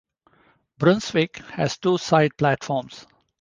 Brunswick has two side platforms.